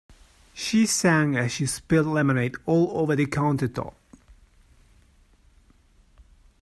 She sang as she spilled lemonade all over the countertop.